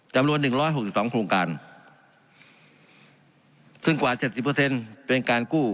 จำนวน๑๖๒โครงการขึ้นกว่า๗๐เป็นการกู้